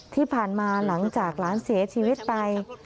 ที่ผ่านมาหลังจากหลานเสียชีวิตไป